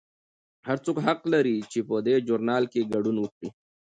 هر څوک حق لري چې په دې ژورنال کې ګډون وکړي.